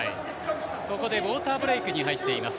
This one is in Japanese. ここでウォーターブレイクに入っています。